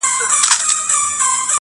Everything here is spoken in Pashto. په دار دي کړم مګر خاموش دي نکړم.